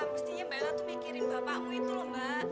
mestinya mbak ella tuh mikirin bapakmu itu lho mbak